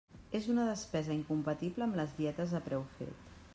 És una despesa incompatible amb les dietes a preu fet.